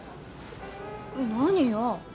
何よ！